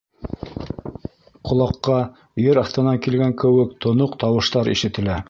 Ҡолаҡҡа, ер аҫтынан килгән кеүек, тоноҡ тауыштар ишетелә.